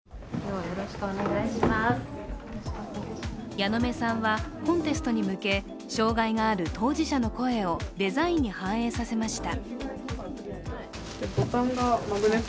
矢野目さんはコンテストに向け障害がある当事者の声をデザインに反映させました。